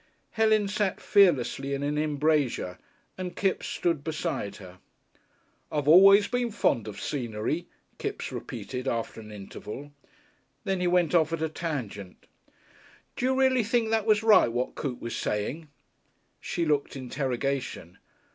Helen sat fearlessly in an embrasure, and Kipps stood beside her. "I've always been fond of scenery," Kipps repeated, after an interval. Then he went off at a tangent. "D'you reely think that was right what Coote was saying?" She looked interrogation.